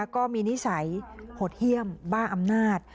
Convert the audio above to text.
นิสัยหดเยี่ยมบ้าอำนาจ